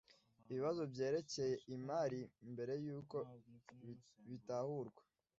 ibibazo byerekeye imari mbere y uko bitahurwa